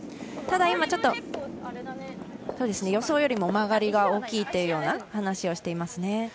ただ、予想よりも曲がりが大きいというような話をしていますね。